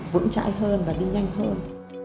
vững chãi hơn và đi nhanh hơn